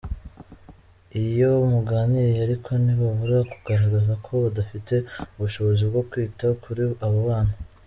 Iyo muganiriye ariko ntibabura kugaragaza ko badafite ubushobozi bwo kwita kuri abo bana.